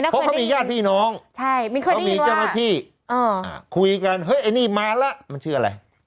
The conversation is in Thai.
คุยกันเฮ้ยอันนี้มาละมันชื่อไหม